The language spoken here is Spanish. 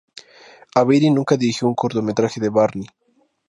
Avery nunca dirigió un cortometraje de Barney.